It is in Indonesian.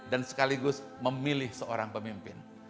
dan sekaligus memilih seorang pemimpin